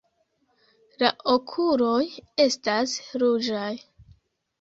La okuloj estas ruĝaj.